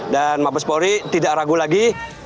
dan mabes polri tidak ragu lagi